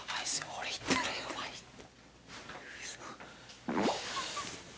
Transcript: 俺いったらヤバいって。